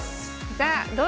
さあどうぞ！